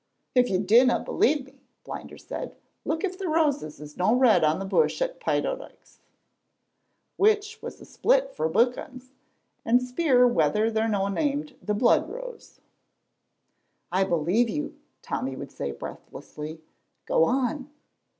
"If you dinna believe me," Blinder said, "look if the roses is no red on the bush at Pyotdykes, which was a split frae Buchan's, and speir whether they're no named the blood rose." "I believe you," Tommy would say breathlessly: "go on."